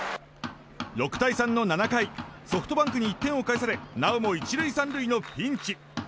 ６対３の７回ソフトバンクに１点を返されなおも１塁３塁のピンチ。